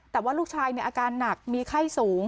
แต่ว่าลูกชายในอาการหนักมีไข้สูง